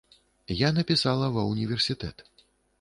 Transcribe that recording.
Я напісала ва ўніверсітэт.